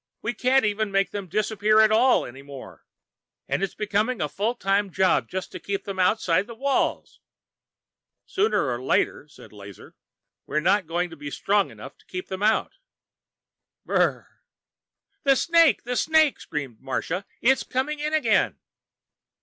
"We can't even make them disappear at all, any more. And it's becoming a full time job just to keep them outside the walls." "And sooner or later," interjected Lazar, "we're not going to be strong enough to keep them out...." "Brr!" "The snake! The snake!" screamed Marsha. "It's coming in again!"